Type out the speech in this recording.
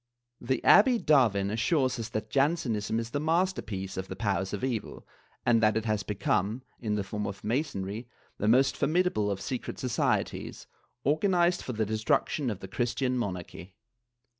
The Abbe Davin assures us that Jansenism is the masterpiece of the powers of evil and that it has become, in the form of Masonry, the most formidable of secret societies, organized for the destruction of the Christian Monarchy.